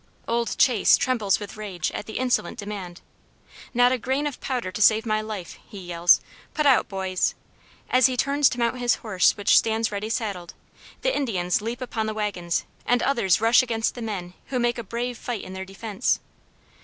Old Chase trembles with rage at the insolent demand. "Not a grain of powder to save my life," he yells; "put out boys!" As he turns to mount his horse which stands ready saddled, the Indians leap upon the wagons and others rush against the men who make a brave fight in their defence.